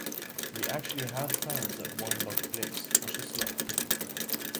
We actually had fans at One Buc Place wish us luck.